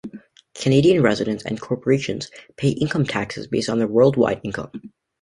Canadian residents and corporations pay income taxes based on their world-wide income.